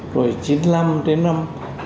rồi chín mươi năm đến năm